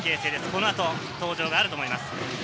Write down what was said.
この後、登場があると思います。